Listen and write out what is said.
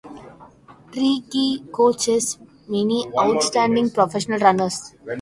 Treacy coaches many outstanding professional runners.